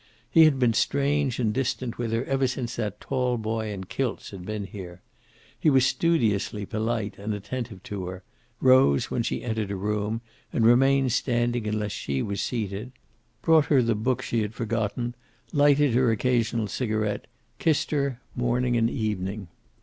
He had been strange and distant with her ever since that tall boy in kilts had been there. He was studiously polite and attentive to her, rose when she entered a room and remained standing until she was seated, brought her the book she had forgotten, lighted her occasional cigaret, kissed her morning and evening.